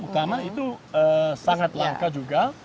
karena itu sangat langka juga